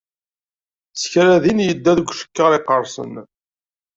S kra din yedda deg ucekkar yeqqersen.